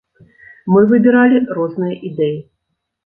Мы выбіралі розныя ідэі.